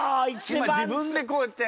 今自分でこうやって。